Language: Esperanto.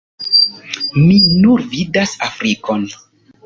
Mi nur vidas Afrikon